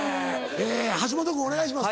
橋本君お願いします。